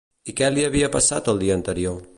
I què li havia passat dia anterior?